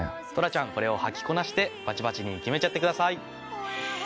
虎ちゃんこれを履きこなしてバチバチに決めちゃってください。